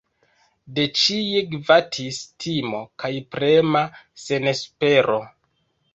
De ĉie gvatis timo kaj prema senespero.